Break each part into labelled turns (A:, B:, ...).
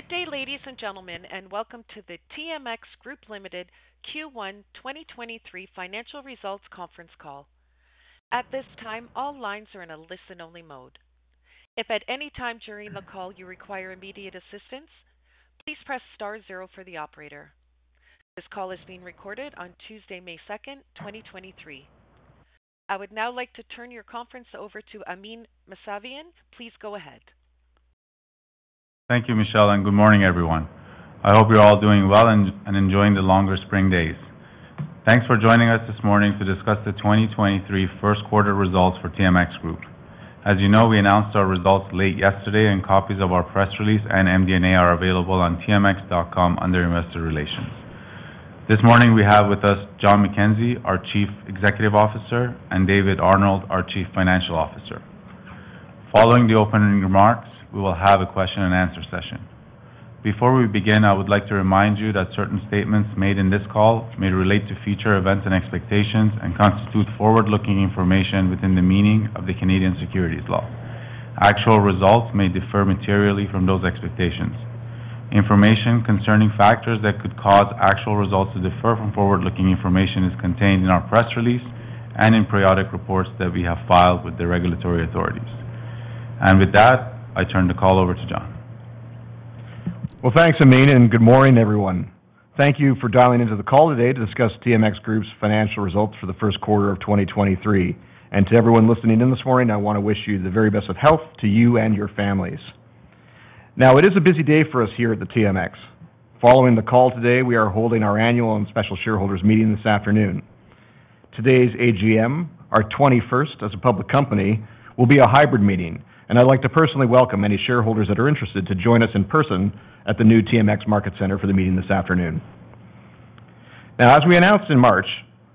A: Good day, ladies and gentlemen, and welcome to the TMX Group Limited Q1 2023 financial results conference call. At this time, all lines are in a listen-only mode. If at any time during the call you require immediate assistance, please press star zero for the operator. This call is being recorded on Tuesday, May 2nd, 2023. I would now like to turn your conference over to Amin Mousavian. Please go ahead.
B: Thank you, Michelle. Good morning, everyone. I hope you're all doing well and enjoying the longer spring days. Thanks for joining us this morning to discuss the 2023 Q1 results for TMX Group. As you know, we announced our results late yesterday. Copies of our press release and MD&A are available on tmx.com under Investor Relations. This morning we have with us John McKenzie, our Chief Executive Officer, and David Arnold, our Chief Financial Officer. Following the opening remarks, we will have a question and answer session. Before we begin, I would like to remind you that certain statements made in this call may relate to future events and expectations and constitute forward-looking information within the meaning of the Canadian securities law. Actual results may differ materially from those expectations. Information concerning factors that could cause actual results to differ from forward-looking information is contained in our press release and in periodic reports that we have filed with the regulatory authorities. With that, I turn the call over to John.
C: Well, thanks, Amin, and good morning, everyone. Thank you for dialing into the call today to discuss TMX Group's financial results for the Q1 of 2023. To everyone listening in this morning, I want to wish you the very best of health to you and your families. It is a busy day for us here at the TMX. Following the call today, we are holding our annual and special shareholders meeting this afternoon. Today's AGM, our 21st as a public company, will be a hybrid meeting, and I'd like to personally welcome any shareholders that are interested to join us in person at the new TMX Market Center for the meeting this afternoon. As we announced in March,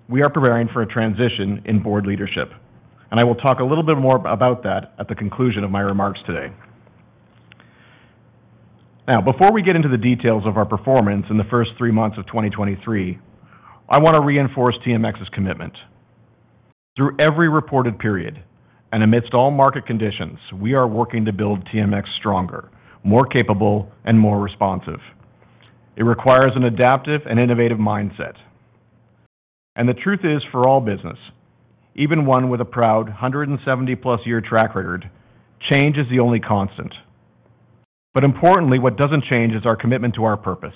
C: we are preparing for a transition in board leadership, and I will talk a little bit more about that at the conclusion of my remarks today. Now, before we get into the details of our performance in the first three months of 2023, I want to reinforce TMX's commitment. Through every reported period and amidst all market conditions, we are working to build TMX stronger, more capable, and more responsive. It requires an adaptive and innovative mindset. The truth is, for all business, even one with a proud 170-plus year track record, change is the only constant. Importantly, what doesn't change is our commitment to our purpose,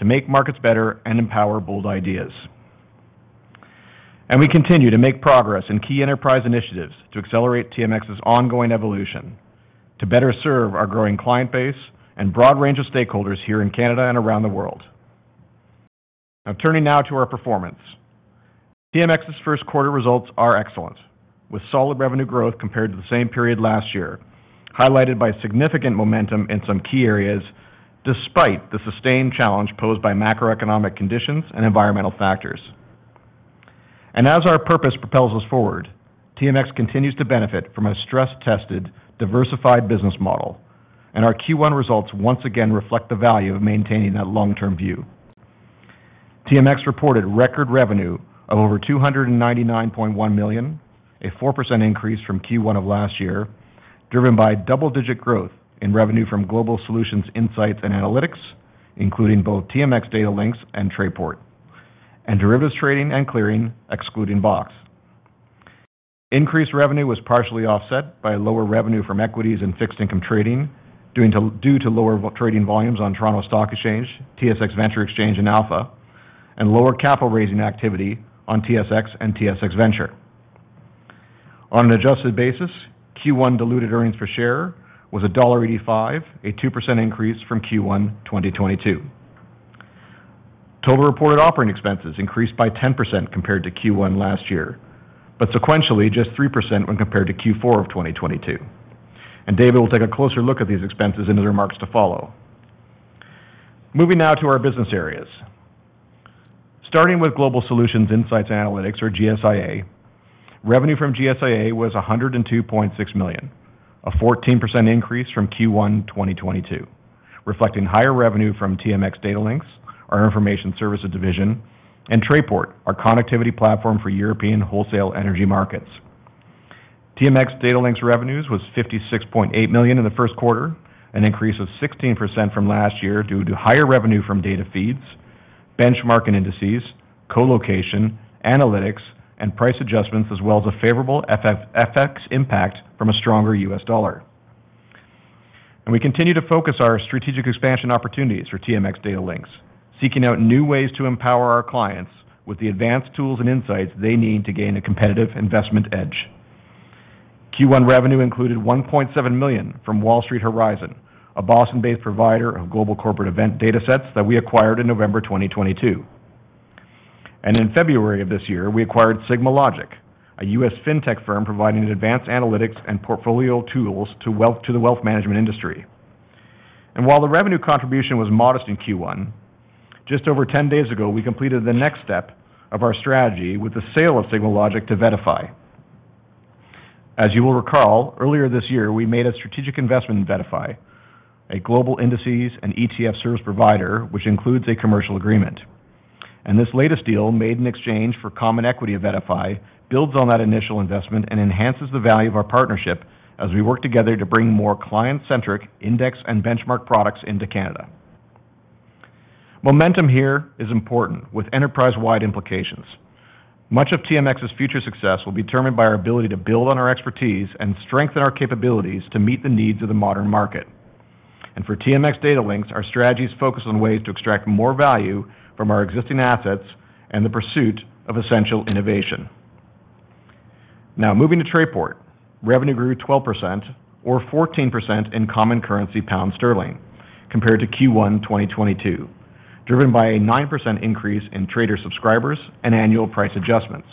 C: to make markets better and empower bold ideas. We continue to make progress in key enterprise initiatives to accelerate TMX's ongoing evolution to better serve our growing client base and broad range of stakeholders here in Canada and around the world. I'm turning now to our performance. TMX's first quarter results are excellent, with solid revenue growth compared to the same period last year, highlighted by significant momentum in some key areas despite the sustained challenge posed by macroeconomic conditions and environmental factors. As our purpose propels us forward, TMX continues to benefit from a stress-tested, diversified business model, and our Q1 results once again reflect the value of maintaining that long-term view. TMX reported record revenue of over 299.1 million, a 4% increase from Q1 of last year, driven by double-digit growth in revenue from Global Solutions, Insights & Analytics, including both TMX Datalinx and Trayport, and derivatives trading and clearing, excluding BOX. Increased revenue was partially offset by lower revenue from equities and fixed income trading, due to lower trading volumes on Toronto Stock Exchange, TSX Venture Exchange in Alpha, and lower capital raising activity on TSX and TSX Venture. On an adjusted basis, Q1 diluted earnings per share was dollar 1.85, a 2% increase from Q1 2022. Total reported operating expenses increased by 10% compared to Q1 last year, but sequentially just 3% when compared to Q4 2022. David will take a closer look at these expenses in his remarks to follow. Moving now to our business areas. Starting with Global Solutions, Insights & Analytics, or GSIA, revenue from GSIA was 102.6 million, a 14% increase from Q1 2022, reflecting higher revenue from TMX Datalinx, our information services division, and Trayport, our connectivity platform for European wholesale energy markets. TMX Datalinx revenues was 56.8 million in the Q1, an increase of 16% from last year due to higher revenue from data feeds, benchmark and indices, co-location, analytics, and price adjustments, as well as a favorable FX impact from a stronger US dollar. We continue to focus our strategic expansion opportunities for TMX Datalinx, seeking out new ways to empower our clients with the advanced tools and insights they need to gain a competitive investment edge. Q1 revenue included 1.7 million from Wall Street Horizon, a Boston-based provider of global corporate event data sets that we acquired in November 2022. In February of this year, we acquired SigmaLogic, a U.S. fintech firm providing advanced analytics and portfolio tools to the wealth management industry. While the revenue contribution was modest in Q1, just over 10 days ago, we completed the next step of our strategy with the sale of SigmaLogic to VettaFi. As you will recall, earlier this year, we made a strategic investment in VettaFi, a global indices and ETF service provider, which includes a commercial agreement. This latest deal made in exchange for common equity of VettaFi builds on that initial investment and enhances the value of our partnership as we work together to bring more client-centric index and benchmark products into Canada. Momentum here is important, with enterprise-wide implications. Much of TMX's future success will be determined by our ability to build on our expertise and strengthen our capabilities to meet the needs of the modern market. For TMX Datalinx, our strategies focus on ways to extract more value from our existing assets and the pursuit of essential innovation. Now moving to Trayport. Revenue grew 12% or 14% in common currency GBP compared to Q1 2022, driven by a 9% increase in trader subscribers and annual price adjustments.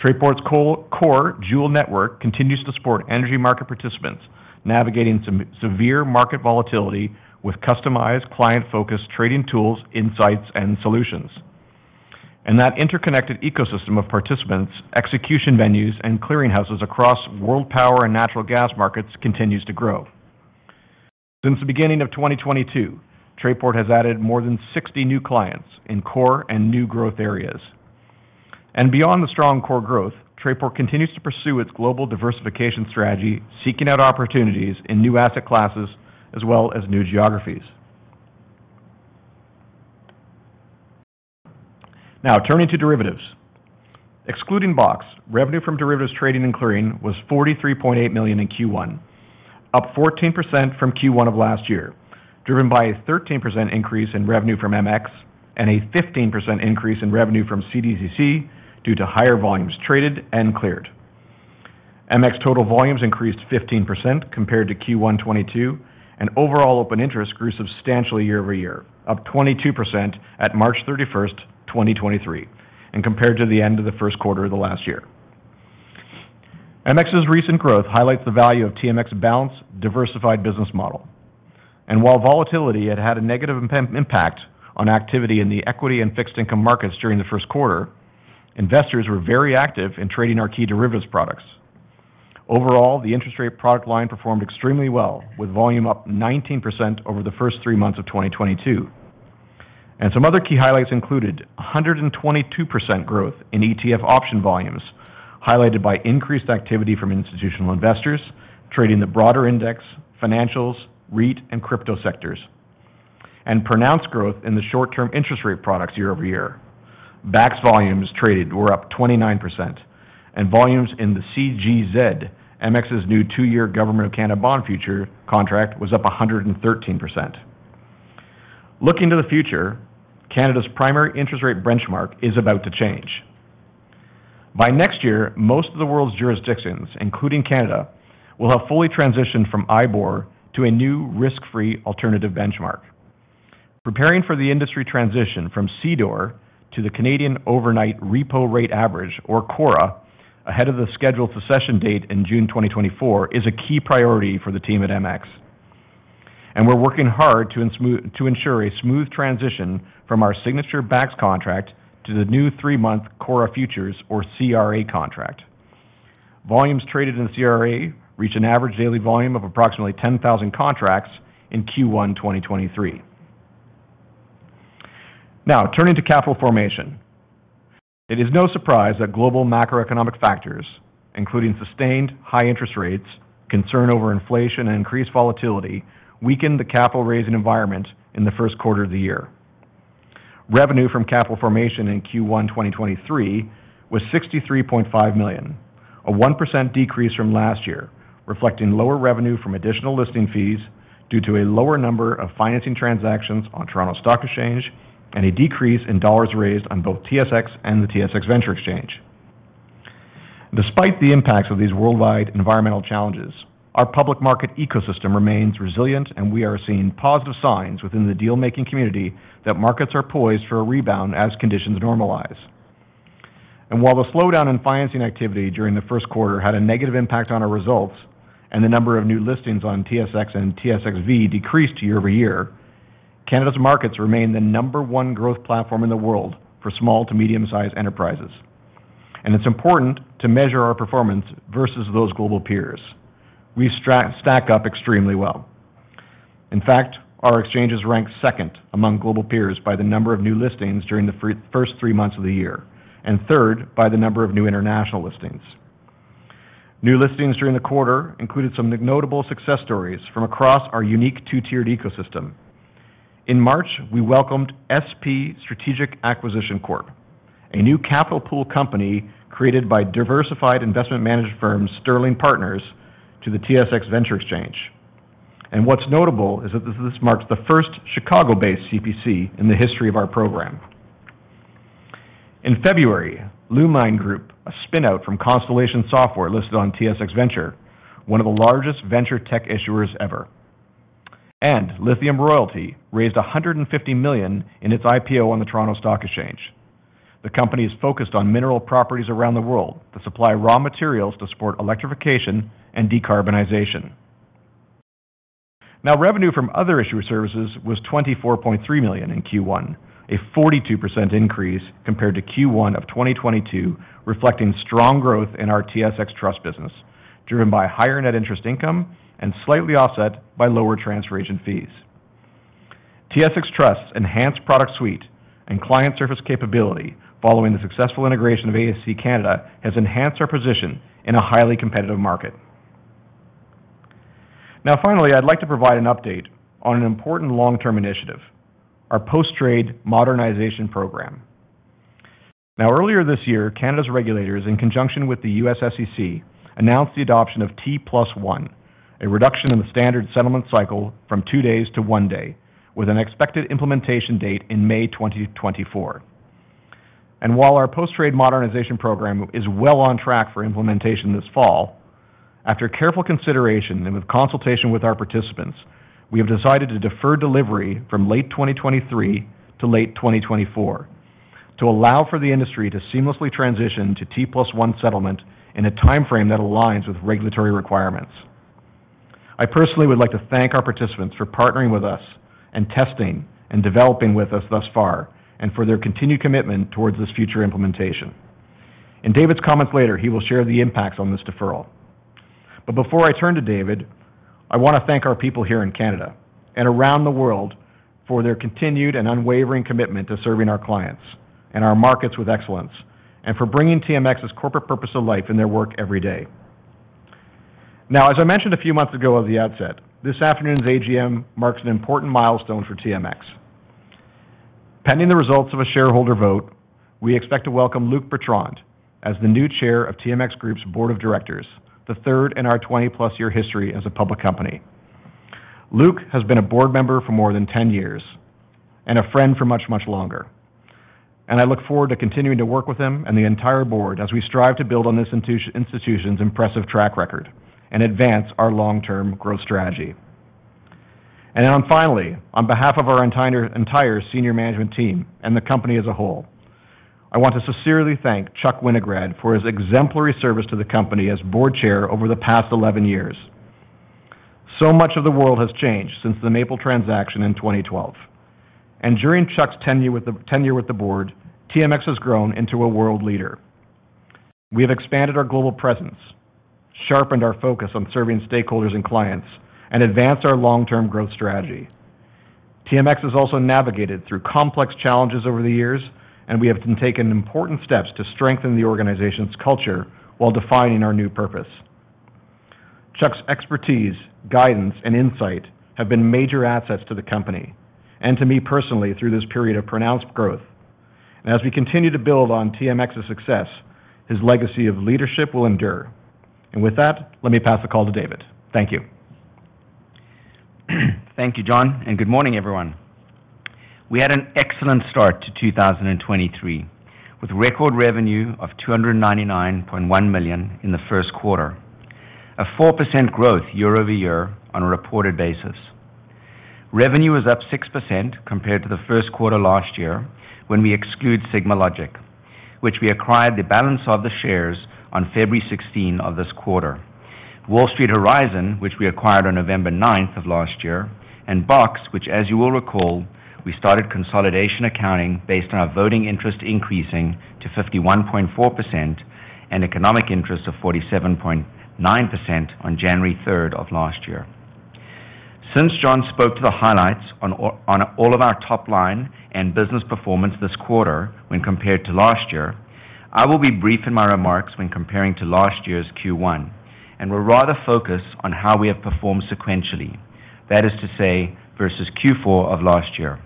C: Trayport's co-core Joule network continues to support energy market participants navigating some severe market volatility with customized client-focused trading tools, insights, and solutions. That interconnected ecosystem of participants, execution venues, and clearing houses across world power and natural gas markets continues to grow. Beyond the strong core growth, Trayport continues to pursue its global diversification strategy, seeking out opportunities in new asset classes as well as new geographies. Now turning to derivatives. Excluding BOX, revenue from derivatives trading and clearing was 43.8 million in Q1, up 14% from Q1 of last year, driven by a 13% increase in revenue from MX and a 15% increase in revenue from CDCC due to higher volumes traded and cleared. MX total volumes increased 15% compared to Q1 2022, and overall open interest grew substantially year-over-year, up 22% at March 31, 2023 and compared to the end of the Q1 of the last year. MX's recent growth highlights the value of TMX's balanced, diversified business model. While volatility had a negative impact on activity in the equity and fixed income markets during the Q1, investors were very active in trading our key derivatives products. Overall, the interest rate product line performed extremely well, with volume up 19% over the first three months of 2022. Some other key highlights included 122% growth in ETF option volumes, highlighted by increased activity from institutional investors trading the broader index, financials, REIT, and crypto sectors, and pronounced growth in the short-term interest rate products year-over-year. BAX volumes traded were up 29%, and volumes in the CGZ, MX's new two-year government of Canada bond future contract, was up 113%. Looking to the future, Canada's primary interest rate benchmark is about to change. By next year, most of the world's jurisdictions, including Canada, will have fully transitioned from IBOR to a new risk-free alternative benchmark. Preparing for the industry transition from CDOR to the Canadian Overnight Repo Rate Average, or CORRA, ahead of the scheduled cessation date in June 2024, is a key priority for the team at MX. We're working hard to ensure a smooth transition from our signature BAX contract to the new three-month CORRA futures or CRA contract. Volumes traded in CRA reach an average daily volume of approximately 10,000 contracts in Q1 2023. Now turning to capital formation. It is no surprise that global macroeconomic factors, including sustained high interest rates, concern over inflation, and increased volatility, weakened the capital raising environment in the Q1 of the year. Revenue from capital formation in Q1 2023 was 63.5 million, a 1% decrease from last year, reflecting lower revenue from additional listing fees due to a lower number of financing transactions on Toronto Stock Exchange and a decrease in dollars raised on both TSX and the TSX Venture Exchange. Despite the impacts of these worldwide environmental challenges, our public market ecosystem remains resilient, and we are seeing positive signs within the deal-making community that markets are poised for a rebound as conditions normalize. While the slowdown in financing activity during the Q1 had a negative impact on our results and the number of new listings on TSX and TSXV decreased year-over-year, Canada's markets remain the number one growth platform in the world for small to medium-sized enterprises. It's important to measure our performance versus those global peers. We stack up extremely well. In fact, our exchanges rank second among global peers by the number of new listings during the first three months of the year, and third by the number of new international listings. New listings during the quarter included some notable success stories from across our unique two-tiered ecosystem. In March, we welcomed SP Strategic Acquisition Corp, a new capital pool company created by diversified investment management firm Sterling Partners to the TSX Venture Exchange. What's notable is that this marks the first Chicago-based CPC in the history of our program. In February, Lumine Group, a spin-out from Constellation Software listed on TSX Venture, one of the largest venture tech issuers ever. Lithium Royalty raised 150 million in its IPO on the Toronto Stock Exchange. The company is focused on mineral properties around the world that supply raw materials to support electrification and decarbonization. Revenue from other issuer services was 24.3 million in Q1, a 42% increase compared to Q1 of 2022, reflecting strong growth in our TSX Trust business. Driven by higher net interest income and slightly offset by lower transfer agent fees. TSX Trust's enhanced product suite and client service capability following the successful integration of AST Canada has enhanced our position in a highly competitive market. Finally, I'd like to provide an update on an important long-term initiative, our post-trade modernization program. Earlier this year, Canada's regulators, in conjunction with the US SEC, announced the adoption of T+1, a reduction in the standard settlement cycle from two days to one day, with an expected implementation date in May 2024. While our post-trade modernization program is well on track for implementation this fall, after careful consideration and with consultation with our participants, we have decided to defer delivery from late 2023 to late 2024 to allow for the industry to seamlessly transition to T+1 settlement in a timeframe that aligns with regulatory requirements. I personally would like to thank our participants for partnering with us and testing and developing with us thus far, and for their continued commitment towards this future implementation. In David's comments later, he will share the impacts on this deferral. Before I turn to David, I want to thank our people here in Canada and around the world for their continued and unwavering commitment to serving our clients and our markets with excellence, and for bringing TMX's corporate purpose to life in their work every day. As I mentioned a few months ago at the outset, this afternoon's AGM marks an important milestone for TMX. Pending the results of a shareholder vote, we expect to welcome Luc Bertrand as the new Chair of TMX Group's Board of Directors, the third in our 20-plus year history as a public company. Luc has been a board member for more than 10 years, and a friend for much longer, and I look forward to continuing to work with him and the entire board as we strive to build on this institution's impressive track record and advance our long-term growth strategy. On behalf of our entire senior management team and the company as a whole, I want to sincerely thank Chuck Winograd for his exemplary service to the company as Board Chair over the past 11 years. Much of the world has changed since the Maple transaction in 2012, and during Chuck's tenure with the board, TMX has grown into a world leader. We have expanded our global presence, sharpened our focus on serving stakeholders and clients, and advanced our long-term growth strategy. TMX has also navigated through complex challenges over the years, and we have taken important steps to strengthen the organization's culture while defining our new purpose. Chuck's expertise, guidance, and insight have been major assets to the company and to me personally through this period of pronounced growth. As we continue to build on TMX's success, his legacy of leadership will endure. With that, let me pass the call to David. Thank you.
D: Thank you, John, and good morning, everyone. We had an excellent start to 2023, with record revenue of 299.1 million in the Q1. A 4% growth year-over-year on a reported basis. Revenue was up 6% compared to the Q1 last year when we exclude SigmaLogic, which we acquired the balance of the shares on February 16 of this quarter. Wall Street Horizon, which we acquired on November nine of last year, and BOX, which as you will recall, we started consolidation accounting based on our voting interest increasing to 51.4% and economic interest of 47.9% on January third of last year. Since John spoke to the highlights on all of our top line and business performance this quarter when compared to last year, I will be brief in my remarks when comparing to last year's Q1, and will rather focus on how we have performed sequentially. That is to say, versus Q4 of last year.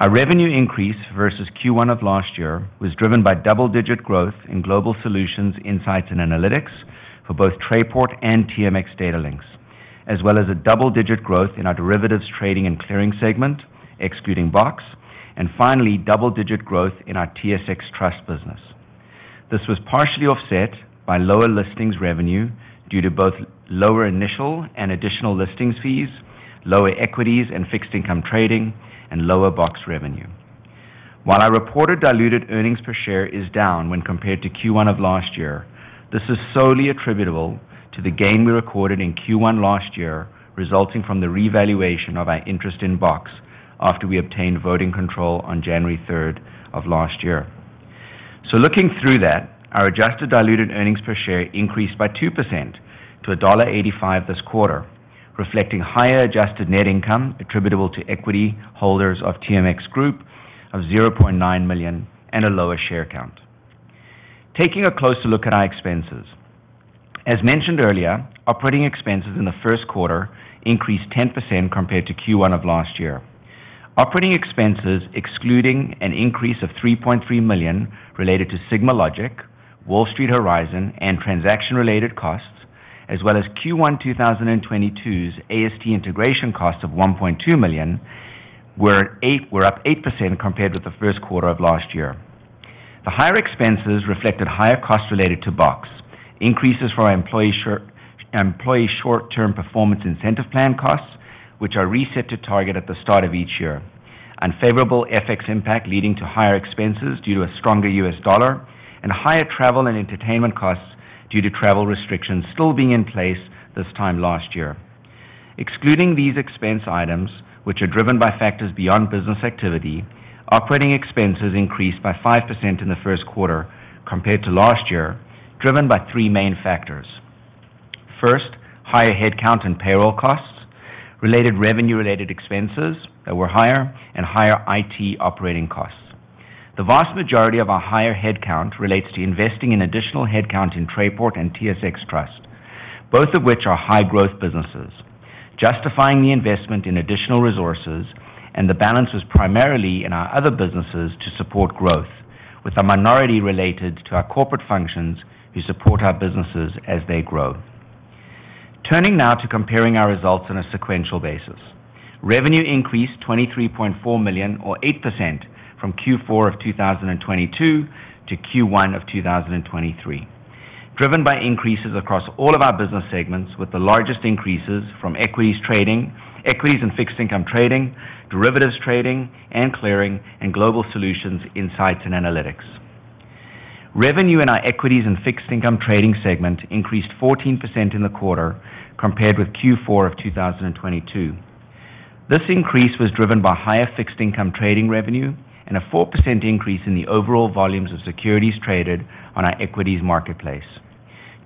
D: Our revenue increase versus Q1 of last year was driven by double-digit growth in Global Solutions, Insights and Analytics for both Trayport and TMX Datalinx, as well as a double-digit growth in our derivatives trading and clearing segment, excluding BOX, and finally, double-digit growth in our TSX Trust business. This was partially offset by lower listings revenue due to both lower initial and additional listings fees, lower equities and fixed income trading, and lower BOX revenue. While our reported diluted earnings per share is down when compared to Q1 of last year, this is solely attributable to the gain we recorded in Q1 last year, resulting from the revaluation of our interest in BOX after we obtained voting control on January third of last year. Looking through that, our adjusted diluted earnings per share increased by 2% to dollar 1.85 this quarter, reflecting higher adjusted net income attributable to equity holders of TMX Group of 0.9 million and a lower share count. Taking a closer look at our expenses. As mentioned earlier, operating expenses in the Q1 increased 10% compared to Q1 of last year. Operating expenses, excluding an increase of 3.3 million related to SigmaLogic, Wall Street Horizon, and transaction-related costs, as well as Q1 2022's AST integration costs of 1.2 million were up 8% compared with the first quarter of last year. The higher expenses reflected higher costs related to BOX, increases from our employee short-term performance incentive plan costs, which are reset to target at the start of each year, unfavorable FX impact leading to higher expenses due to a stronger US dollar, and higher travel and entertainment costs due to travel restrictions still being in place this time last year. Excluding these expense items, which are driven by factors beyond business activity, operating expenses increased by 5% in the Q1 compared to last year, driven by three main factors. First, higher headcount and payroll costs, related revenue-related expenses that were higher, and higher IT operating costs. The vast majority of our higher headcount relates to investing in additional headcount in Trayport and TSX Trust, both of which are high growth businesses, justifying the investment in additional resources, and the balance was primarily in our other businesses to support growth, with a minority related to our corporate functions who support our businesses as they grow. Turning now to comparing our results on a sequential basis. Revenue increased 23.4 million or 8% from Q4 of 2022 to Q1 of 2023, driven by increases across all of our business segments, with the largest increases from equities trading, equities and fixed income trading, derivatives trading and clearing, and Global Solutions, Insights & Analytics. Revenue in our equities and fixed income trading segment increased 14% in the quarter compared with Q4 of 2022. This increase was driven by higher fixed income trading revenue and a 4% increase in the overall volumes of securities traded on our equities marketplace.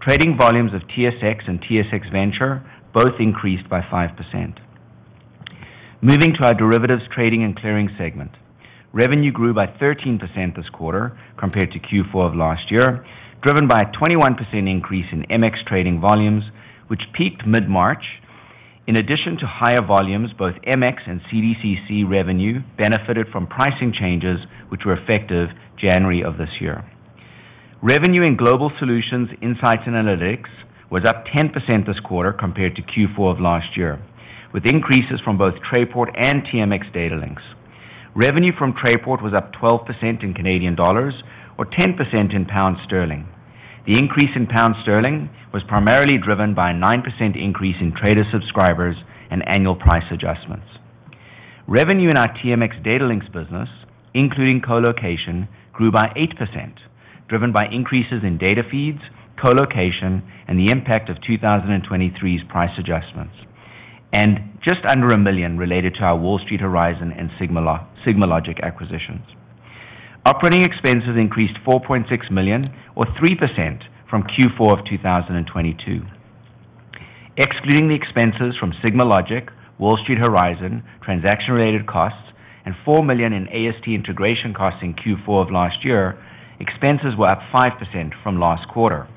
D: Trading volumes of TSX and TSX Venture both increased by 5%. Moving to our derivatives trading and clearing segment. Revenue grew by 13% this quarter compared to Q4 of last year, driven by a 21% increase in MX trading volumes, which peaked mid-March. In addition to higher volumes, both MX and CDCC revenue benefited from pricing changes, which were effective January of this year. Revenue in Global Solutions, Insights & Analytics was up 10% this quarter compared to Q4 of last year, with increases from both Trayport and TMX Datalinx. Revenue from Trayport was up 12% in Canadian dollars or 10% in pound sterling. The increase in pound sterling was primarily driven by a 9% increase in trader subscribers and annual price adjustments. Revenue in our TMX Datalinx business, including colocation, grew by 8%, driven by increases in data feeds, colocation, and the impact of 2023's price adjustments, and just under 1 million related to our Wall Street Horizon and SigmaLogic acquisitions. Operating expenses increased 4.6 million or 3% from Q4 of 2022. Excluding the expenses from SigmaLogic, Wall Street Horizon, transaction-related costs, and 4 million in AST integration costs in Q4 of last year, expenses were up 5% from last quarter.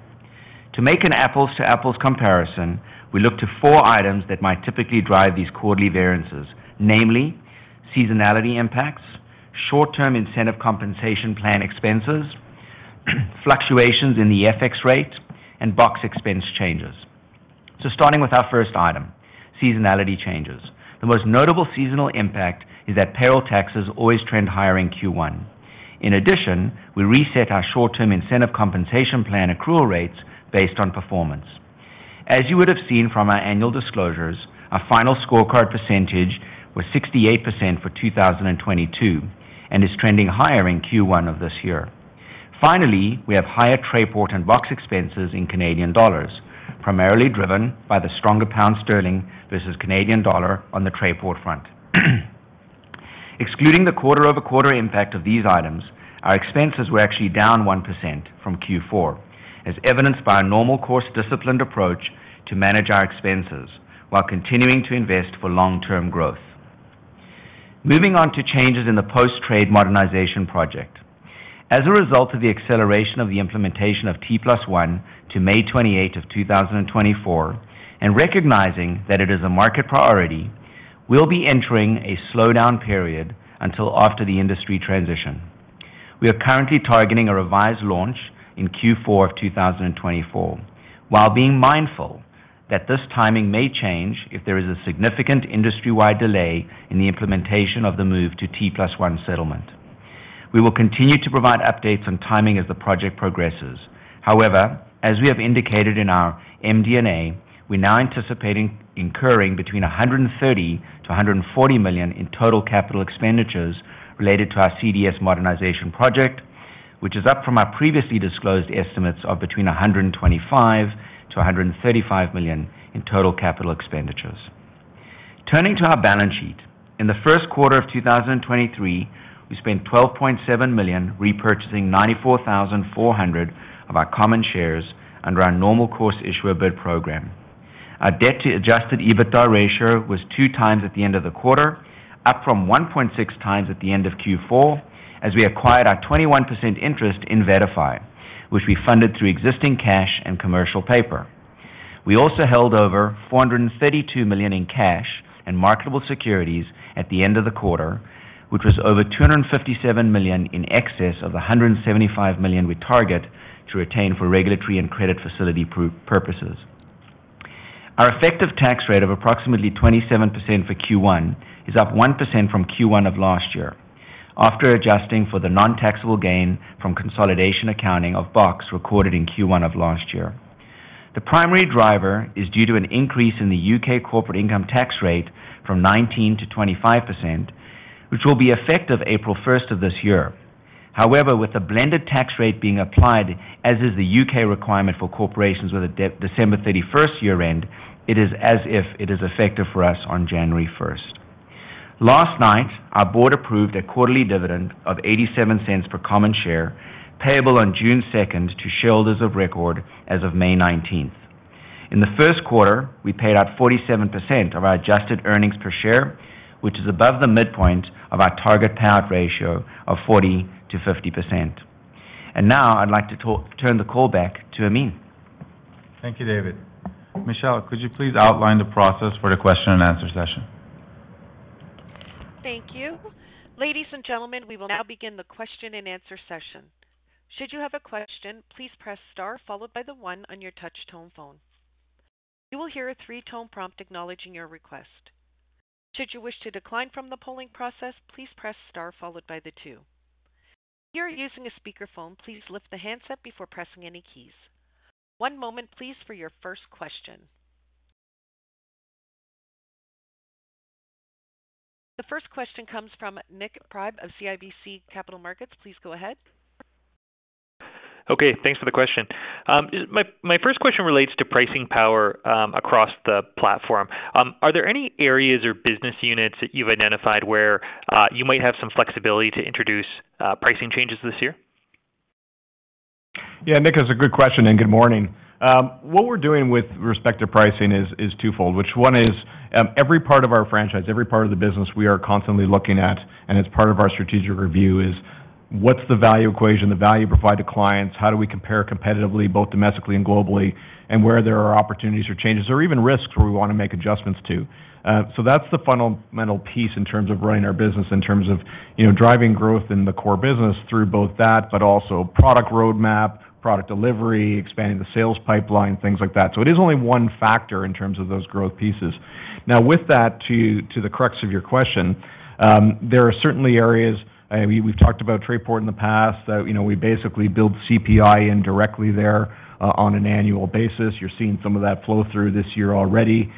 D: To make an apples to apples comparison, we look to four items that might typically drive these quarterly variances, namely seasonality impacts, short-term incentive compensation plan expenses, fluctuations in the FX rates, and BOX expense changes. Starting with our first item, seasonality changes. The most notable seasonal impact is that payroll taxes always trend higher in Q1. In addition, we reset our short-term incentive compensation plan accrual rates based on performance. As you would have seen from our annual disclosures, our final scorecard percentage was 68% for 2022 and is trending higher in Q1 of this year. Finally, we have higher Trayport and BOX expenses in Canadian dollars, primarily driven by the stronger pound sterling versus Canadian dollar on the Trayport front. Excluding the quarter-over-quarter impact of these items, our expenses were actually down 1% from Q4, as evidenced by a normal course disciplined approach to manage our expenses while continuing to invest for long-term growth. Moving on to changes in the post-trade modernization project. As a result of the acceleration of the implementation of T+1 to May 28 of 2024, and recognizing that it is a market priority, we'll be entering a slowdown period until after the industry transition. We are currently targeting a revised launch in Q4 of 2024, while being mindful that this timing may change if there is a significant industry-wide delay in the implementation of the move to T+1 settlement. We will continue to provide updates on timing as the project progresses. As we have indicated in our MD&A, we're now anticipating incurring between 130 million and 140 million in total capital expenditures related to our CDS modernization project, which is up from our previously disclosed estimates of between 125 million and 135 million in total capital expenditures. Turning to our balance sheet. In the first quarter of 2023, we spent 12.7 million repurchasing 94,400 of our common shares under our normal course issuer bid program. Our debt to adjusted EBITDA ratio was two times at the end of the quarter, up from 1.6x at the end of Q4 as we acquired our 21% interest in Verify, which we funded through existing cash and commercial paper. We also held over 432 million in cash and marketable securities at the end of the quarter, which was over 257 million in excess of the 175 million we target to retain for regulatory and credit facility purposes. Our effective tax rate of approximately 27% for Q1 is up 1% from Q1 of last year, after adjusting for the non-taxable gain from consolidation accounting of Box recorded in Q1 of last year. The primary driver is due to an increase in the U.K. corporate income tax rate from 19% to 25%, which will be effective April 1st of this year. However, with a blended tax rate being applied, as is the U.K. requirement for corporations with a December 31st year-end, it is as if it is effective for us on January first. Last night, our board approved a quarterly dividend of $0.87 per common share, payable on June 2nd to shareholders of record as of May 19th. In the Q1, we paid out 47% of our adjusted earnings per share, which is above the midpoint of our target payout ratio of 40%-50%. Now I'd like to turn the call back to Amin.
B: Thank you, David. Michelle, could you please outline the process for the Q&A session?
A: Thank you. Ladies and gentlemen, we will now begin the question and answer session. Should you have a question, please press star followed by the one on your touch tone phone. You will hear a three-tone prompt acknowledging your request. Should you wish to decline from the polling process, please press star followed by the two. If you are using a speakerphone, please lift the handset before pressing any keys. One moment please for your first question. The first question comes from Nick Priebe of CIBC Capital Markets. Please go ahead.
E: Okay, thanks for the question. My first question relates to pricing power across the platform. Are there any areas or business units that you've identified where you might have some flexibility to introduce pricing changes this year?
C: Yeah, Nick, that's a good question. Good morning. What we're doing with respect to pricing is twofold. Which one is, every part of our franchise, every part of the business we are constantly looking at, and as part of our strategic review, is what's the value equation, the value provided to clients? How do we compare competitively, both domestically and globally? Where there are opportunities for changes or even risks where we want to make adjustments to. That's the fundamental piece in terms of running our business, in terms of, you know, driving growth in the core business through both that, but also product roadmap, product delivery, expanding the sales pipeline, things like that. It is only one factor in terms of those growth pieces. Now, with that, to the crux of your question, there are certainly areas, we've talked about Trayport in the past that, you know, we basically build CPI indirectly there on an annual basis. You're seeing some of that flow through this year already.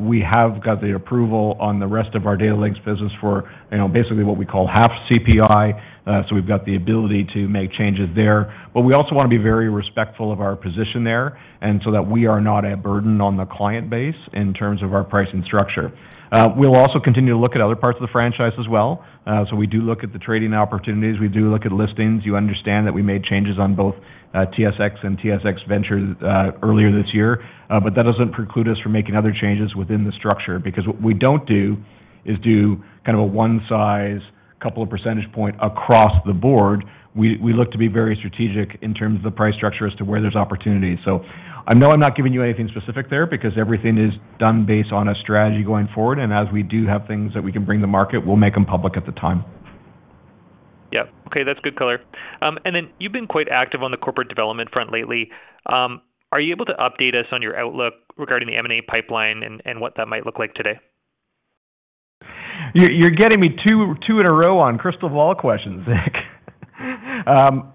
C: We have got the approval on the rest of our TMX Datalinx business for, you know, basically what we call half CPI. We've got the ability to make changes there. We also want to be very respectful of our position there, and so that we are not a burden on the client base in terms of our pricing structure. We'll also continue to look at other parts of the franchise as well. We do look at the trading opportunities, we do look at listings. You understand that we made changes on both TSX and TSX Venture earlier this year. That doesn't preclude us from making other changes within the structure. What we don't do is do kind of a 1 size, couple of percentage point across the board. We look to be very strategic in terms of the price structure as to where there's opportunity. I know I'm not giving you anything specific there because everything is done based on a strategy going forward. As we do have things that we can bring to market, we'll make them public at the time.
E: Yeah. Okay. That's good color. You've been quite active on the corporate development front lately. Are you able to update us on your outlook regarding the M&A pipeline and what that might look like today?
C: You're getting me two in a row on crystal ball questions, Nick.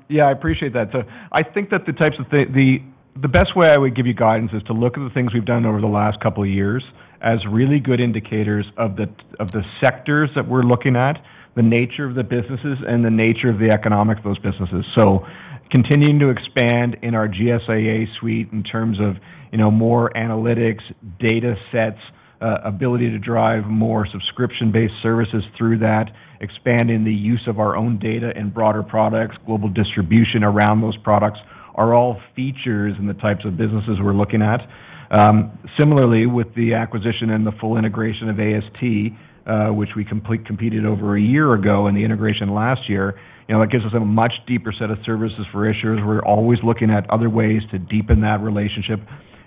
C: Yeah, I appreciate that. I think that the types of the best way I would give you guidance is to look at the things we've done over the last couple of years as really good indicators of the sectors that we're looking at, the nature of the businesses and the nature of the economics of those businesses. Continuing to expand in our GSAA suite in terms of, you know, more analytics, data sets, ability to drive more subscription-based services through that, expanding the use of our own data and broader products, global distribution around those products are all features in the types of businesses we're looking at. Similarly, with the acquisition and the full integration of AST, which we completed over a year ago and the integration last year, you know, it gives us a much deeper set of services for issuers. We're always looking at other ways to deepen that relationship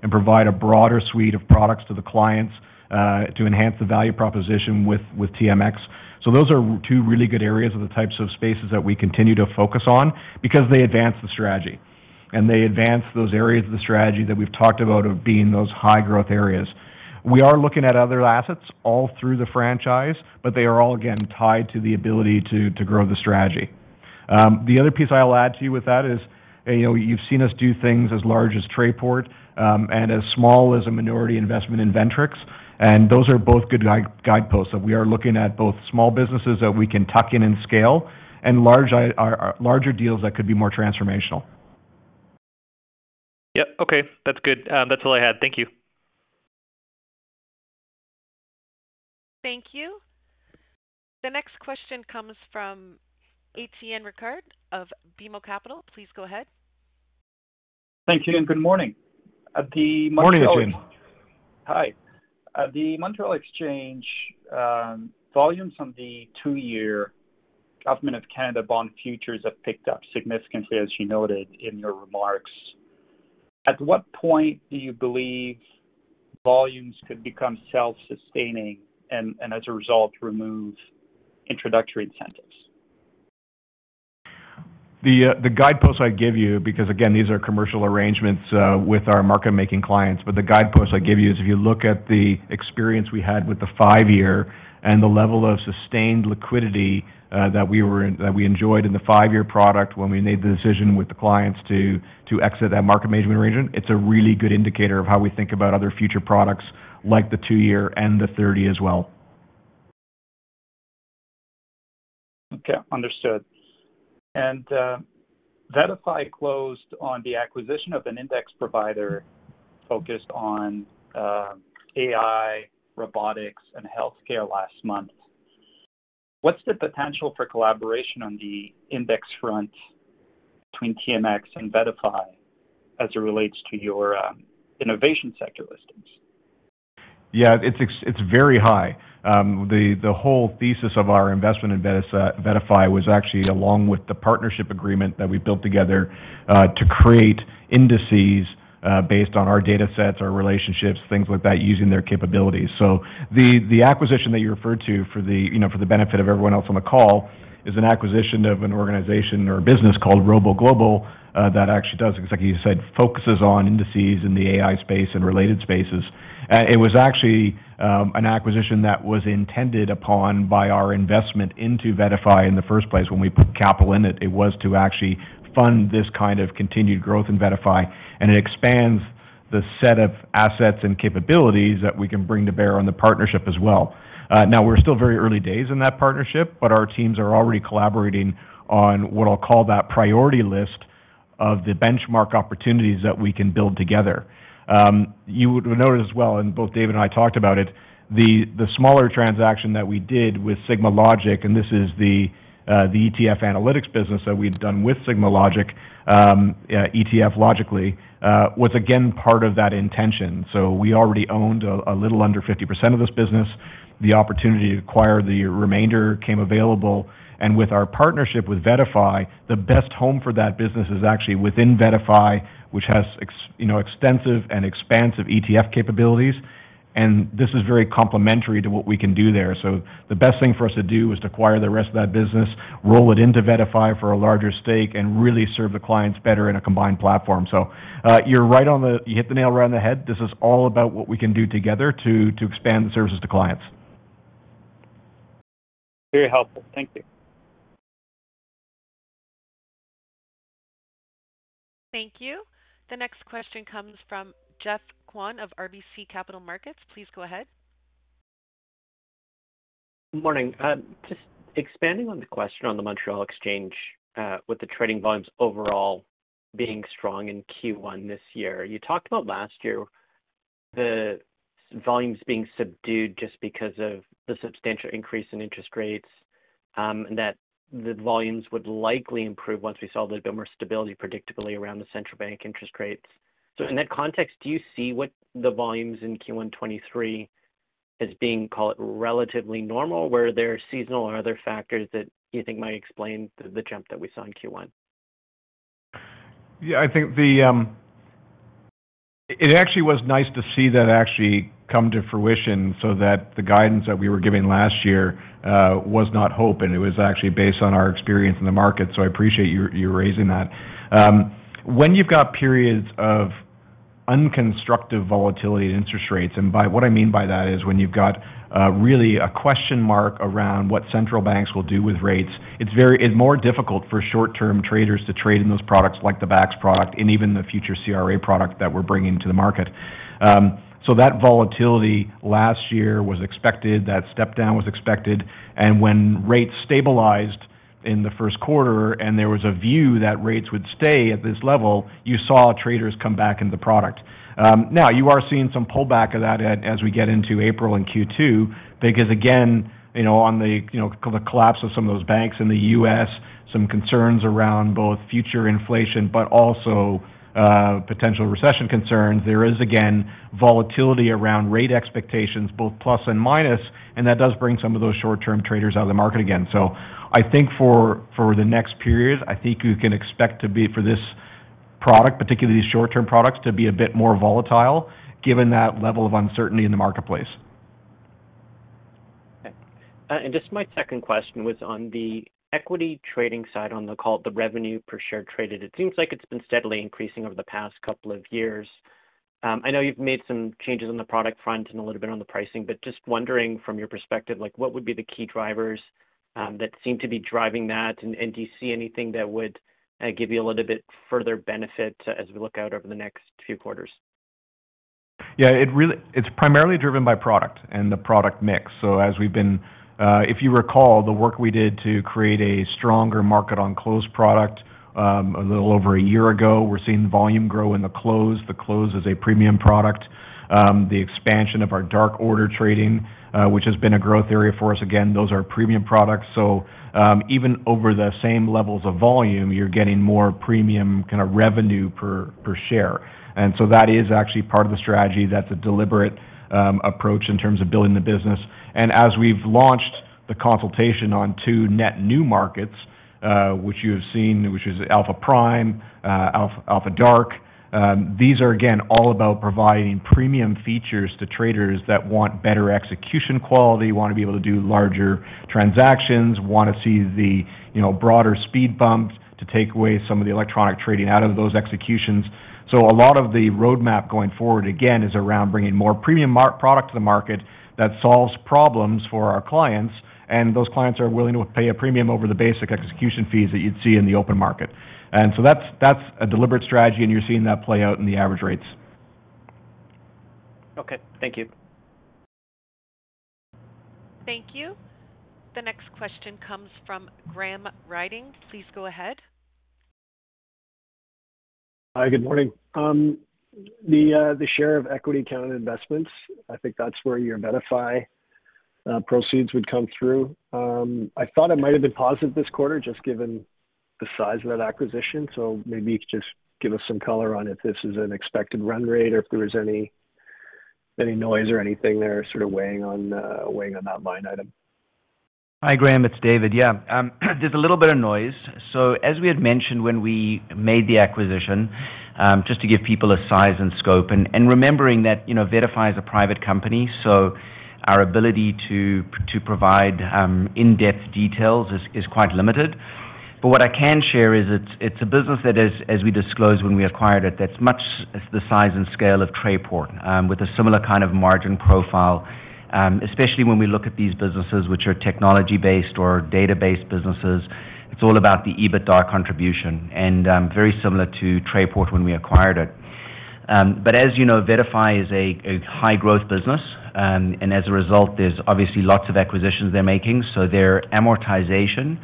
C: and provide a broader suite of products to the clients, to enhance the value proposition with TMX. Those are two really good areas of the types of spaces that we continue to focus on because they advance the strategy and they advance those areas of the strategy that we've talked about of being those high-growth areas. We are looking at other assets all through the franchise, but they are all again, tied to the ability to grow the strategy. The other piece I'll add to you with that is, you know, you've seen us do things as large as Trayport, and as small as a minority investment in Ventriks. Those are both good guideposts that we are looking at, both small businesses that we can tuck in and scale and larger deals that could be more transformational.
E: Yep. Okay. That's good. That's all I had. Thank you.
A: Thank you. The next question comes from Etienne Ricard of BMO Capital. Please go ahead.
F: Thank you, and good morning.
C: Morning, Etienne.
G: Hi. The Montréal Exchange, volumes on the Two-Year Government of Canada Bond Futures have picked up significantly, as you noted in your remarks. At what point do you believe volumes could become self-sustaining and as a result, remove introductory incentives?
C: The guideposts I'd give you, because again, these are commercial arrangements with our market-making clients. The guideposts I'd give you is if you look at the experience we had with the five-year and the level of sustained liquidity that we enjoyed in the five-year product when we made the decision with the clients to exit that market management region, it's a really good indicator of how we think about other future products like the two-year and the 30 as well.
F: Okay. Understood. Vettafi closed on the acquisition of an index provider focused on AI, robotics, and healthcare last month. What's the potential for collaboration on the index front between TMX and Vettafi as it relates to your innovation sector listings?
C: Yeah, it's very high. The whole thesis of our investment in VettaFi was actually along with the partnership agreement that we built together, to create indices, based on our data sets, our relationships, things like that, using their capabilities. The acquisition that you referred to for the, you know, for the benefit of everyone else on the call, is an acquisition of an organization or a business called ROBO Global, that actually does, exactly as you said, focuses on indices in the AI space and related spaces. It was actually an acquisition that was intended upon by our investment into VettaFi in the first place. When we put capital in it was to actually fund this kind of continued growth in VettaFi, and it expands the set of assets and capabilities that we can bring to bear on the partnership as well. Now we're still very early days in that partnership, but our teams are already collaborating on what I'll call that priority list of the benchmark opportunities that we can build together. You would notice as well, and both David and I talked about it, the smaller transaction that we did with SigmaLogic, and this is the ETF analytics business that we've done with SigmaLogic, LOGICLY was again, part of that intention. We already owned a little under 50% of this business. The opportunity to acquire the remainder came available, with our partnership with Vettafi, the best home for that business is actually within Vettafi, which has extensive and expansive ETF capabilities, and this is very complementary to what we can do there. The best thing for us to do is to acquire the rest of that business, roll it into Vettafi for a larger stake, and really serve the clients better in a combined platform. You're right on the you hit the nail right on the head. This is all about what we can do together to expand the services to clients.
F: Very helpful. Thank you.
A: Thank you. The next question comes from Geoffrey Kwan of RBC Capital Markets. Please go ahead.
H: Morning. Just expanding on the question on the Montréal Exchange, with the trading volumes overall being strong in Q1 this year. You talked about last year, the volumes being subdued just because of the substantial increase in interest rates, that the volumes would likely improve once we saw a bit more stability predictably around the central bank interest rates. In that context, do you see what the volumes in Q1 2023 as being, call it, relatively normal? Were there seasonal or other factors that you think might explain the jump that we saw in Q1?
C: Yeah, it actually was nice to see that actually come to fruition so that the guidance that we were giving last year was not hope, and it was actually based on our experience in the market. I appreciate you raising that. When you've got periods of unconstructive volatility in interest rates, and what I mean by that is when you've got really a question mark around what central banks will do with rates, it's more difficult for short-term traders to trade in those products like the BAX product and even the future CRA product that we're bringing to the market. That volatility last year was expected, that step down was expected, and when rates stabilized in the first quarter and there was a view that rates would stay at this level, you saw traders come back in the product. Now you are seeing some pullback of that as we get into April and Q2 because again, you know, on the, you know, collapse of some of those banks in the US, some concerns around both future inflation but also, potential recession concerns, there is again, volatility around rate expectations, both plus and minus, and that does bring some of those short-term traders out of the market again. I think for the next period, I think you can expect to be for this product, particularly these short-term products, to be a bit more volatile given that level of uncertainty in the marketplace.
H: Okay. Just my second question was on the equity trading side, on the call it the revenue per share traded. It seems like it's been steadily increasing over the past couple of years. I know you've made some changes on the product front and a little bit on the pricing, but just wondering from your perspective, like what would be the key drivers that seem to be driving that, and do you see anything that would give you a little bit further benefit as we look out over the next few quarters?
C: Yeah, it's primarily driven by product and the product mix. As we've been, if you recall the work we did to create a stronger market on close product, a little over a year ago, we're seeing volume grow in the close. The close is a premium product. The expansion of our dark order trading, which has been a growth area for us, again, those are premium products. Even over the same levels of volume, you're getting more premium kinda revenue per share. That is actually part of the strategy. That's a deliberate approach in terms of building the business. As we've launched the consultation on two net new markets, which you have seen, which is Alpha Prime, Alpha DRK, these are again, all about providing premium features to traders that want better execution quality, want to be able to do larger transactions, want to see the, you know, broader speed bumps to take away some of the electronic trading out of those executions. A lot of the roadmap going forward, again, is around bringing more premium product to the market that solves problems for our clients, and those clients are willing to pay a premium over the basic execution fees that you'd see in the open market. That's, that's a deliberate strategy, and you're seeing that play out in the average rates. Okay. Thank you.
A: Thank you. The next question comes from Graham Ryding. Please go ahead.
I: Hi, good morning. The share of equity counted investments, I think that's where your VettaFi proceeds would come through. I thought it might have been positive this quarter, just given the size of that acquisition. Maybe you could just give us some color on if this is an expected run rate or if there was any noise or anything there sort of weighing on that line item?
D: Hi, Graham. It's David. Yeah. There's a little bit of noise. As we had mentioned when we made the acquisition, just to give people a size and scope and, remembering that, you know, VettaFi is a private company, our ability to provide in-depth details is quite limited. What I can share is it's a business that as we disclosed when we acquired it's the size and scale of Trayport, with a similar kind of margin profile, especially when we look at these businesses, which are technology-based or database businesses. It's all about the EBITDA contribution and, very similar to Trayport when we acquired it. As you know, VettaFi is a high-growth business. As a result, there's obviously lots of acquisitions they're making. Their amortization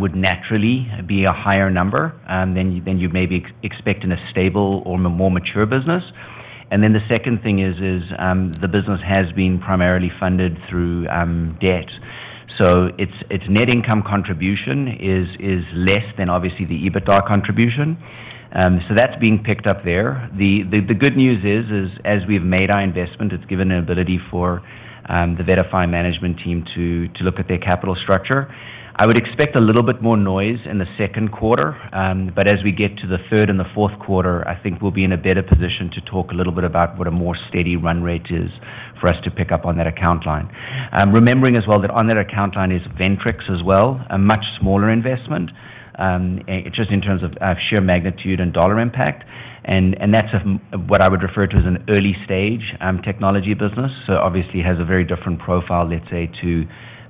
D: would naturally be a higher number than you maybe expect in a stable or in a more mature business. The second thing is the business has been primarily funded through debt. Its net income contribution is less than obviously the EBITDA contribution. That's being picked up there. The good news is as we've made our investment, it's given an ability for the VettaFi management team to look at their capital structure. I would expect a little bit more noise in the second quarter. As we get to the third and the fourth quarter, I think we'll be in a better position to talk a little bit about what a more steady run rate is for us to pick up on that account line. Remembering as well that on that account line is Ventriks as well, a much smaller investment, just in terms of share magnitude and dollar impact. That's what I would refer to as an early-stage technology business. Obviously has a very different profile, let's say, to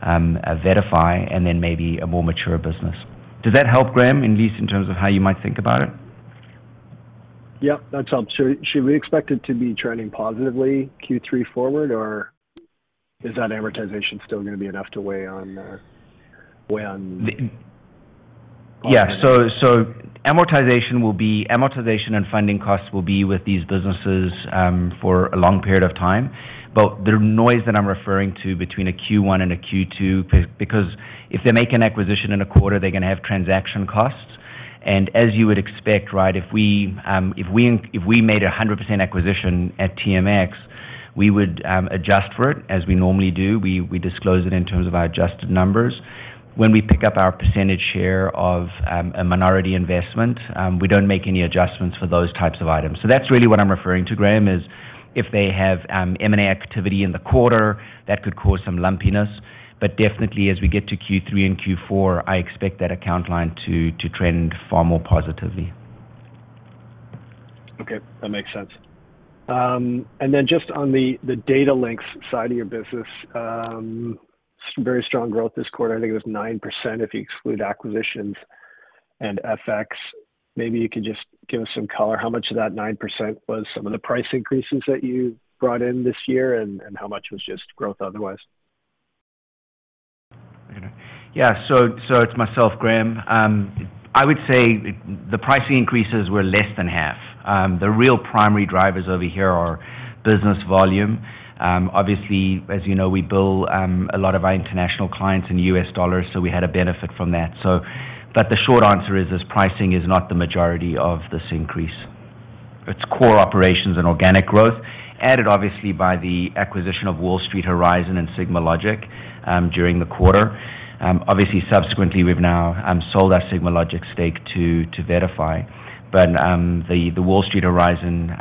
D: VettaFi and then maybe a more mature business. Does that help, Graham, at least in terms of how you might think about it?
I: Yeah, that's helps. Should we expect it to be trending positively Q3 forward, or is that amortization still gonna be enough to weigh on?
D: Yeah. Amortization will be amortization and funding costs will be with these businesses for a long period of time. The noise that I'm referring to between a Q1 and a Q2, because if they make an acquisition in a quarter, they're gonna have transaction costs. As you would expect, right, if we made a 100% acquisition at TMX, we would adjust for it as we normally do. We disclose it in terms of our adjusted numbers. When we pick up our percentage share of a minority investment, we don't make any adjustments for those types of items. That's really what I'm referring to, Graham, is if they have M&A activity in the quarter, that could cause some lumpiness. Definitely as we get to Q3 and Q4, I expect that account line to trend far more positively.
I: That makes sense. Then just on the TMX Datalinx side of your business, very strong growth this quarter, I think it was 9% if you exclude acquisitions and FX. Maybe you could just give us some color, how much of that 9% was some of the price increases that you brought in this year, and how much was just growth otherwise?
D: Yeah, it's myself, Graham. I would say the pricing increases were less than half. The real primary drivers over here are business volume. Obviously, as you know, we bill a lot of our international clients in US dollars. We had a benefit from that. The short answer is, pricing is not the majority of this increase. It's core operations and organic growth, added, obviously, by the acquisition of Wall Street Horizon and SigmaLogic during the quarter. Obviously, subsequently, we've now sold our SigmaLogic stake to VettaFi. The Wall Street Horizon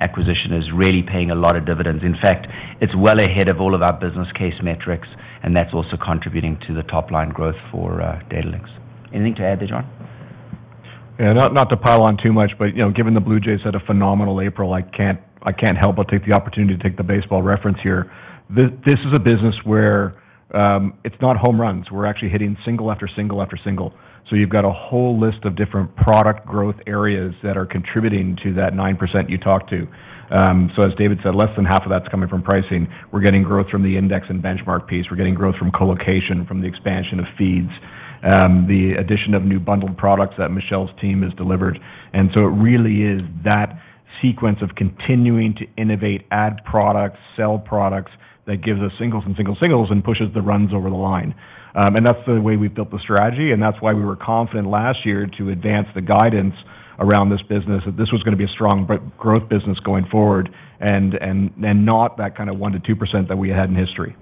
D: acquisition is really paying a lot of dividends. In fact, it's well ahead of all of our business case metrics, and that's also contributing to the top-line growth for TMX Datalinx. Anything to add there, John?
C: Yeah. Not to pile on too much, you know, given the Toronto Blue Jays had a phenomenal April, I can't help but take the opportunity to take the baseball reference here. This is a business where it's not home runs. We're actually hitting single after single after single. You've got a whole list of different product growth areas that are contributing to that 9% you talked to. As David said, less than half of that's coming from pricing. We're getting growth from the index and benchmark piece. We're getting growth from co-location, from the expansion of feeds, the addition of new bundled products that Michelle's team has delivered. It really is that sequence of continuing to innovate, add products, sell products that gives us singles and singles, and pushes the runs over the line. That's the way we've built the strategy, and that's why we were confident last year to advance the guidance around this business, that this was gonna be a strong growth business going forward and not that kinda 1%-2% that we had in history.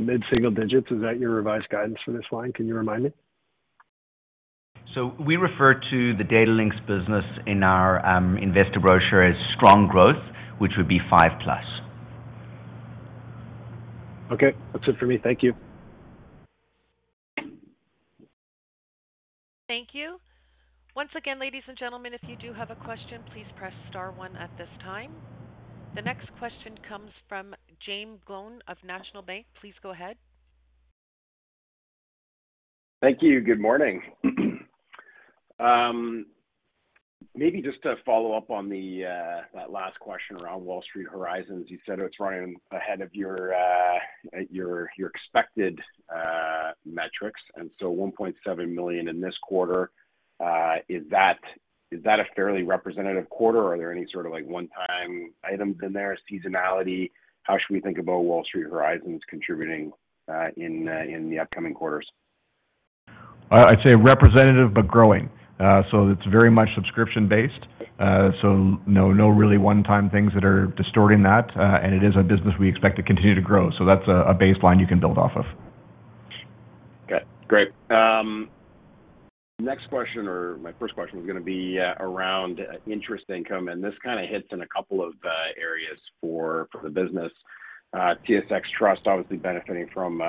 I: mid-single digits, is that your revised guidance for this line? Can you remind me?
D: We refer to the TMX Datalinx business in our investor brochure as strong growth, which would be plus.
I: Okay. That's it for me. Thank you.
A: Thank you. Once again, ladies and gentlemen, if you do have a question, please press star one at this time. The next question comes from Jaeme Gloyn of National Bank Financial. Please go ahead.
J: Thank you. Good morning. Maybe just to follow up on the that last question around Wall Street Horizon, you said it's running ahead of your expected metrics, and so $1.7 million in this quarter. Is that a fairly representative quarter? Are there any sort of like one-time items in there, seasonality? How should we think about Wall Street Horizon contributing in the upcoming quarters?
C: I'd say representative, but growing. It's very much subscription-based. No really one-time things that are distorting that. It is a business we expect to continue to grow. That's a baseline you can build off of.
J: Okay, great. Next question or my first question was gonna be around interest income, and this kind of hits in a couple of areas for the business. TSX Trust obviously benefiting from,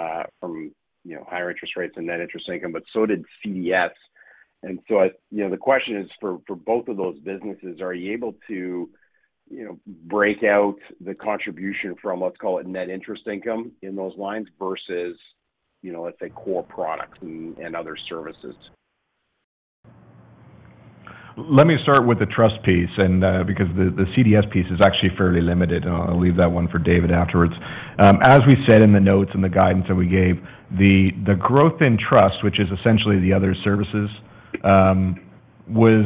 J: you know, higher interest rates and net interest income, but so did CDS. The question is for both of those businesses, are you able to, you know, break out the contribution from, let's call it net interest income in those lines versus, you know, let's say, core products and other services?
C: Let me start with the trust piece, because the CDS piece is actually fairly limited, and I'll leave that one for David afterwards. As we said in the notes and the guidance that we gave, the growth in trust, which is essentially the other services, was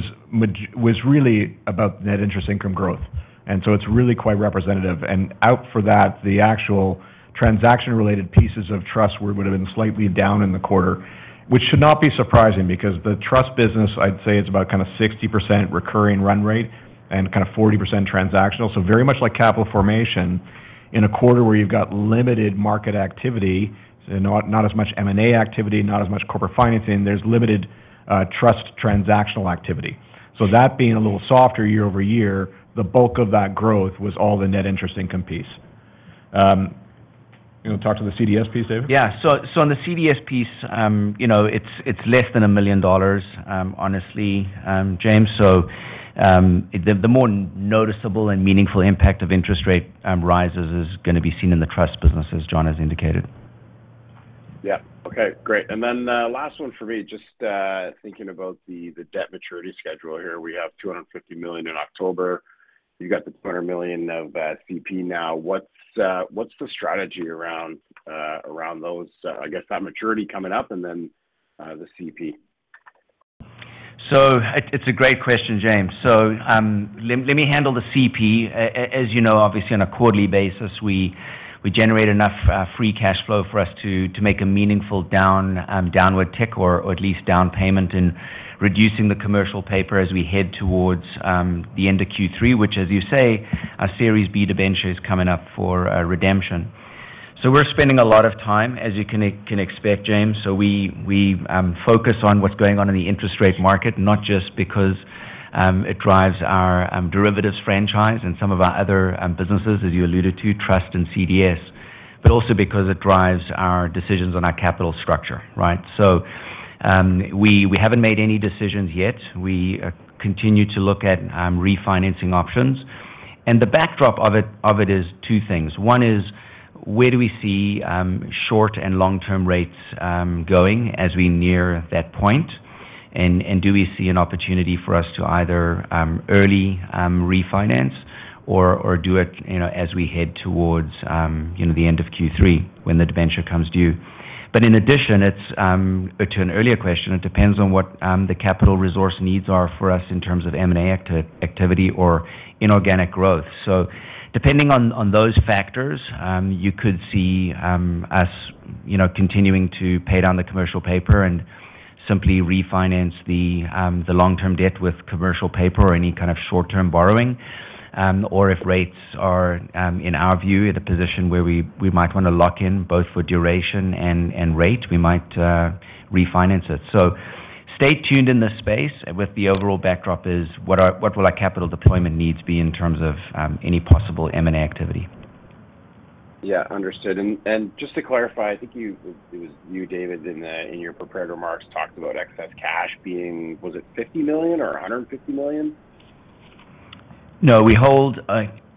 C: really about net interest income growth. It's really quite representative. Out for that, the actual transaction-related pieces of trust would have been slightly down in the quarter, which should not be surprising because the trust business, I'd say, it's about kind of 60% recurring run rate and kind of 40% transactional. Very much like capital formation in a quarter where you've got limited market activity and not as much M&A activity, not as much corporate financing, there's limited trust transactional activity. That being a little softer year-over-year, the bulk of that growth was all the net interest income piece. You wanna talk to the CDS piece, David?
D: On the CDS piece, you know, it's less than 1 million dollars, honestly, Jaeme. The more noticeable and meaningful impact of interest rate rises is gonna be seen in the trust business, as John has indicated.
J: Yeah. Okay, great. Last one for me, just thinking about the debt maturity schedule here. We have 250 million in October. You got the 200 million of CP now. What's the strategy around those, I guess that maturity coming up and then the CP?
D: It's a great question, Jaeme. Let me handle the CP. As you know, obviously on a quarterly basis, we generate enough free cash flow for us to make a meaningful downward tick or at least down payment in reducing the commercial paper as we head towards the end of Q3, which as you say, our Series B debenture is coming up for redemption. We're spending a lot of time, as you can expect, Jaeme. We focus on what's going on in the interest rate market, not just because it drives our derivatives franchise and some of our other businesses, as you alluded to, trust and CDS, but also because it drives our decisions on our capital structure, right? We haven't made any decisions yet. We continue to look at refinancing options. The backdrop of it is two things. One is, where do we see short and long-term rates going as we near that point? Do we see an opportunity for us to either early refinance or do it, you know, as we head towards, you know, the end of Q3 when the debenture comes due? In addition, it's to an earlier question, it depends on what the capital resource needs are for us in terms of M&A activity or inorganic growth. Depending on those factors, you could see us, you know, continuing to pay down the commercial paper and simply refinance the long-term debt with commercial paper or any kind of short-term borrowing. or if rates are in our view, at a position where we might wanna lock in both for duration and rate, we might refinance it. Stay tuned in this space with the overall backdrop is what will our capital deployment needs be in terms of any possible M&A activity.
J: Yeah, understood. Just to clarify, I think it was you, David, in your prepared remarks, talked about excess cash being... Was it 50 million or 150 million?
D: We hold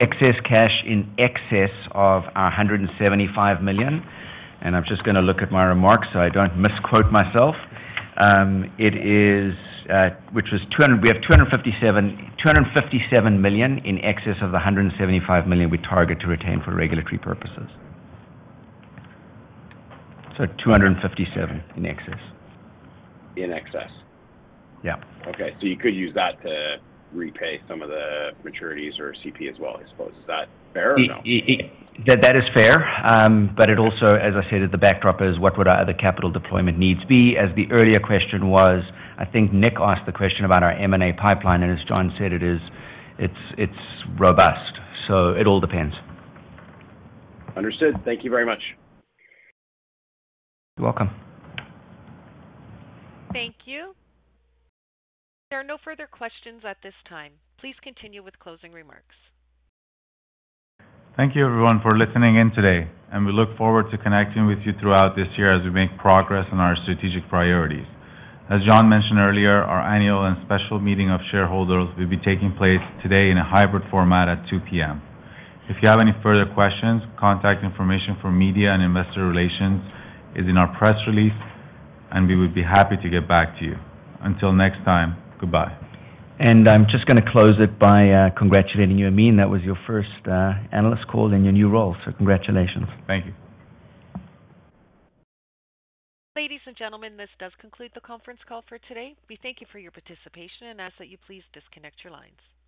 D: excess cash in excess of 175 million. I'm just gonna look at my remarks, so I don't misquote myself. It is, we have 257 million in excess of the 175 million we target to retain for regulatory purposes. 257 million in excess.
J: In excess?
D: Yeah.
J: Okay. You could use that to repay some of the maturities or CP as well, I suppose. Is that fair or no?
D: That is fair. It also, as I said, the backdrop is what would our other capital deployment needs be, as the earlier question was, I think Nick asked the question about our M&A pipeline, and as John said, it's robust. It all depends.
J: Understood. Thank you very much.
D: You're welcome.
A: Thank you. There are no further questions at this time. Please continue with closing remarks.
B: Thank you everyone for listening in today. We look forward to connecting with you throughout this year as we make progress on our strategic priorities. As John mentioned earlier, our annual and special meeting of shareholders will be taking place today in a hybrid format at 2:00 P.M. If you have any further questions, contact information for media and investor relations is in our press release, and we would be happy to get back to you. Until next time, goodbye.
D: I'm just gonna close it by, congratulating you, Amin. That was your first analyst call in your new role, congratulations.
B: Thank you.
A: Ladies and gentlemen, this does conclude the conference call for today. We thank you for your participation and ask that you please disconnect your lines.